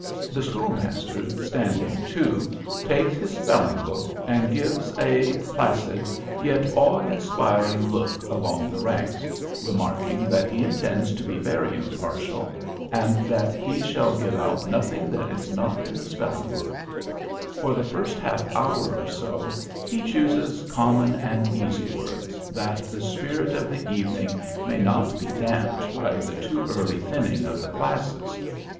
The schoolmaster, standing too, takes his spelling book, and gives a placid yet awe inspiring look along the ranks, remarking that he intends to be very impartial, and that he shall give out nothing that is not in the spelling book. For the first half hour or so he chooses common and easy words, that the spirit of the evening may not be damped by the too early thinning of the classes.